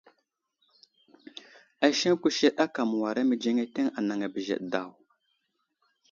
Aseŋ kusəɗ aka məwara mədzeŋeteŋ anaŋ a bəzəɗe daw.